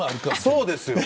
そうですよ。